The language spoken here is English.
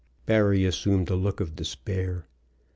Barry assumed a look of despair.